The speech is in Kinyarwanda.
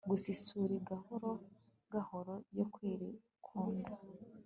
gusa isuri gahoro gahoro yo kwikunda